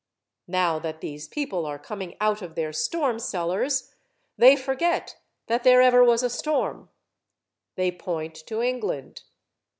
Now that these people are coming out of their storm cellars, they forget that there ever was a storm. They point to England.